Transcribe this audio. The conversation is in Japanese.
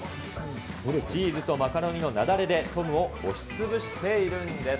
チーズとマカロニの雪崩で、トムを押しつぶしているんです。